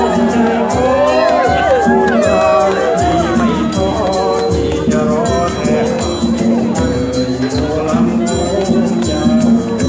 มุ่งราเร็วที่ไม่ต้องที่จะรอเท่ามุ่งไหลที่สุลัมต์มุ่งอย่าง